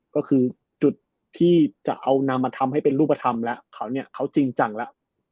ก็คือที่จะเอานำมาทำให้เป็นรูปธอร์ติธรรมและเขานี่เขาจริงจังละ